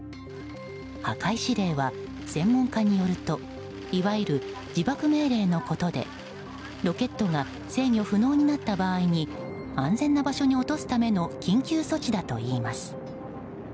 破壊指令は専門家によるといわゆる自爆命令のことでロケットが制御不能になった場合に安全な場所に落とすための緊急措置だといいます。